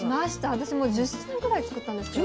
私も１０品ぐらい作ったんですけど。